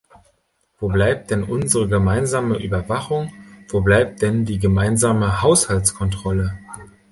Wo bleibt denn unsere gemeinsame Überwachung, wo bleibt denn die gemeinsame Haushaltskontrolle?